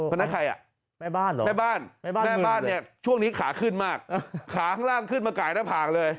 คณะใครอ่ะแม่บ้านแม่บ้านเนี่ยช่วงนี้ขาขึ้นมากขาข้างล่างขึ้นมากายแล้วผ่างเลย